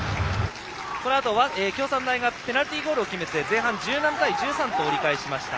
このあと京産大がペナルティーゴールを決めて前半１７対１３で折り返しました。